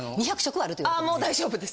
ああもう大丈夫です！